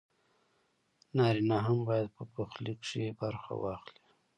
نارينه هم بايد په پخلي کښې برخه واخلي